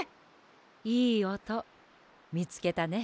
いいおとみつけたね。